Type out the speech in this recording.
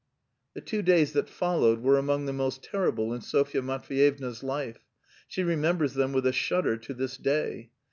The two days that followed were among the most terrible in Sofya Matveyevna's life; she remembers them with a shudder to this day.